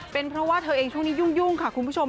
เป็นเพราะว่าเธอเองช่วงนี้ยุ่งค่ะคุณผู้ชม